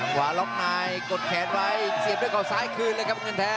ขวาล็อกในกดแขนไว้เสียบด้วยเขาซ้ายคืนเลยครับเงินแท้